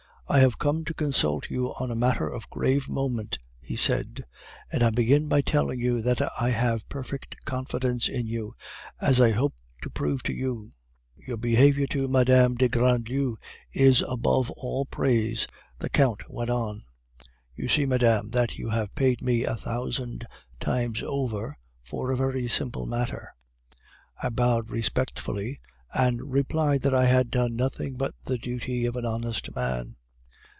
"'I have come to consult you on a matter of grave moment,' he said, 'and I begin by telling you that I have perfect confidence in you, as I hope to prove to you. Your behavior to Mme. de Grandlieu is above all praise,' the Count went on. (You see, madame, that you have paid me a thousand times over for a very simple matter.) "I bowed respectfully, and replied that I had done nothing but the duty of an honest man.